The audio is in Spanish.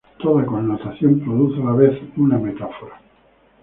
Toda connotación produce a la vez una metáfora.